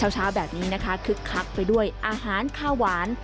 เช้าแบบนี้นะคะคึกคักไปด้วยอาหารข้าวหวาน